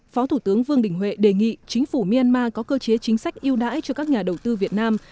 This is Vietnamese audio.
phó thủ tướng vương đình huệ đề nghị chính phủ myanmar có cơ chế chính sách yêu đãi cho các nhà đầu tư việt nam